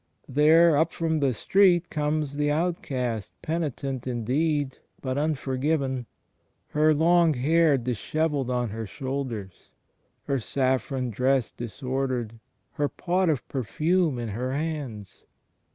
There, up from the street, comes the out cast, penitent indeed, but unforgiven — her long hair dishevelled on her shoulders, her saffron dress disordered, her pot of perfume in her hands.